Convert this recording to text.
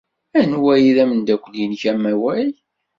Anwa ay d ameddakel-nnek amaway?